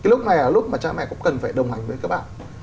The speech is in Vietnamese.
lúc này là lúc mà cha mẹ cũng cần phải đồng hành với các bạn